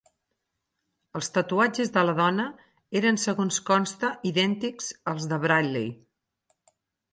Els tatuatges de la dona eren segons consta idèntics als de Bradley.